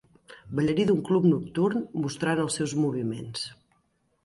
Ballarí d"un club nocturn mostrant els seus moviments.